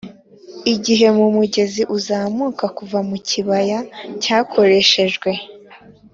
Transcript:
igihe, mumugenzi uzamuka, kuva mukibaya cyakoreshejwe;